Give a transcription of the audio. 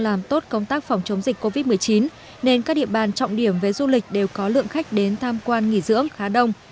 làm tốt công tác phòng chống dịch covid một mươi chín nên các địa bàn trọng điểm về du lịch đều có lượng khách đến tham quan nghỉ dưỡng khá đông